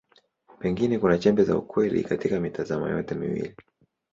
Pengine kuna chembe za ukweli katika mitazamo yote miwili.